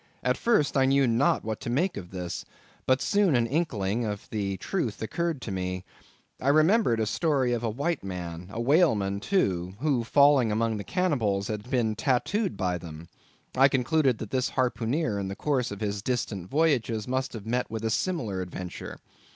At first I knew not what to make of this; but soon an inkling of the truth occurred to me. I remembered a story of a white man—a whaleman too—who, falling among the cannibals, had been tattooed by them. I concluded that this harpooneer, in the course of his distant voyages, must have met with a similar adventure.